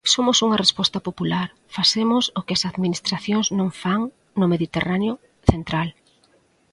Somos unha resposta popular, facemos o que as administracións non fan no Mediterráneo Central.